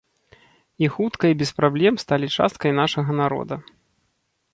І хутка і без праблем сталі часткай нашага народа.